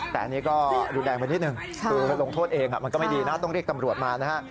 แต่อันนี้ก็รุนแรงไปนิดนึงคือลงโทษเองมันก็ไม่ดีนะต้องเรียกตำรวจมานะฮะ